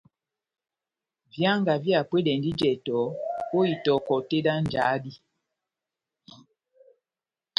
Výanga vihapwedɛndi jɛtɔ ó itɔhɔ tɛ́h dá njáhá dí.